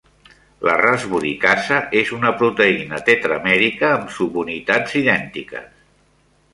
La rasburicasa és una proteïna tetramèrica amb subunitats idèntiques.